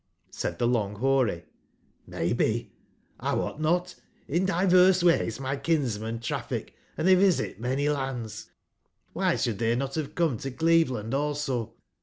Said tbeLong/boary:")Vlaybc; Xwotnot; in diverse ways my kinsmen traffic, and tbey visit many lands, ^by sbould tbey not bave come to Cleveland also?"